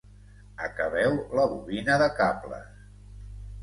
Acabeu la bobina de cables.